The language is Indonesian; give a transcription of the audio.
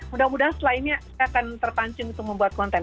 mudah mudahan setelah ini saya akan terpancing untuk membuat konten